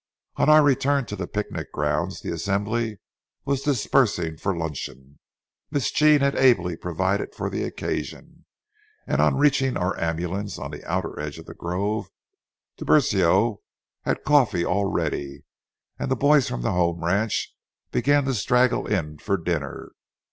On our return to the picnic grounds, the assembly was dispersing for luncheon. Miss Jean had ably provided for the occasion, and on reaching our ambulance on the outer edge of the grove, Tiburcio had coffee all ready and the boys from the home ranch began to straggle in for dinner.